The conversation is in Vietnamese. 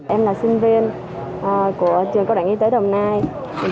em là sinh viên của trường công đoàn y tế đồng hồ chí minh